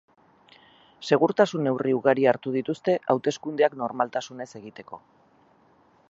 Segurtasun neurri ugari hartu dituzte hauteskundeak normaltasunez egiteko.